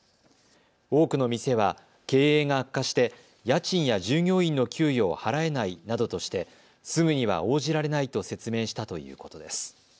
多くの店は経営が悪化して家賃や従業員の給与を払えないなどとしてすぐには応じられないと説明したということです。